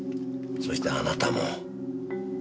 そしてあなたも。